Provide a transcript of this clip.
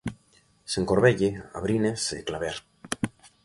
Sen Corbelle, Abrines e Claver.